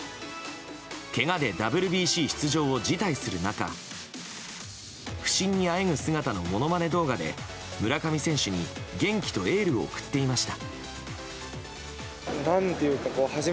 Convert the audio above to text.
けがでＷＢＣ出場を辞退する中不振にあえぐ姿のものまね動画で村上選手に元気とエールを送っていました。